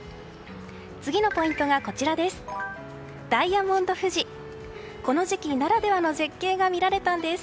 次のポイントがこちらです。